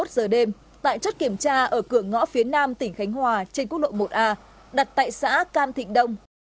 hai mươi giờ đêm tại chốt kiểm tra ở cửa ngõ phía nam tỉnh khánh hòa trên quốc lộ một a đặt tại xã cam thịnh đông